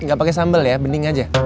gak pake sambel ya bening aja